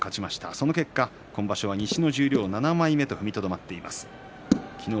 その結果、今場所は西の十両７枚目と踏みとどまっています。